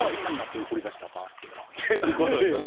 か、ということですよね。